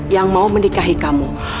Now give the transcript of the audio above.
yang mau menikahi kamu